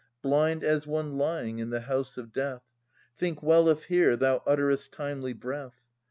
Blind, as one lying in the house of death. (Think well if here thou utter est timely breath.)